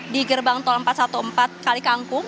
di gerbang tol empat ratus empat belas kali kangkung